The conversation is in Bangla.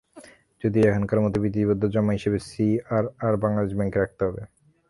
যদিও এখনকার মতোই বিধিবদ্ধ জমা হিসেবে সিআরআর বাংলাদেশ ব্যাংকে রাখতে হবে।